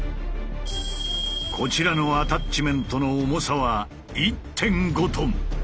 こちらのアタッチメントの重さは１．５ｔ。